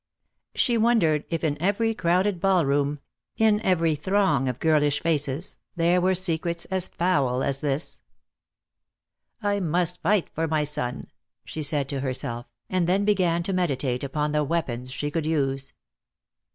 She wondered if in every crowded ballroom, in 154 DEAD LOVE HAS CHAINS. every throng of girlish faces, there were secrets as foul as this. "I must fight for my son," she said to herself, and then began to meditate upon the weapons she could use.